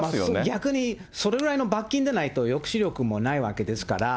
逆にそれぐらいの罰金でないと、抑止力もないわけですから。